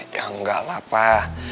ya nggak lah pak